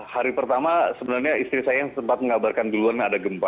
hari pertama sebenarnya istri saya yang sempat mengabarkan duluan ada gempa